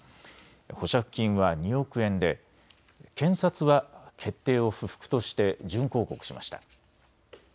保釈金は２億円で検察は決定を不服として準抗告しました。